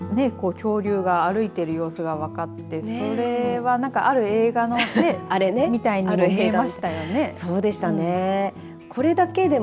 恐竜が歩いてる様子が分かってそれはある映画のあれみたいに見えましたね。